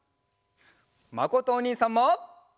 まことおにいさんも。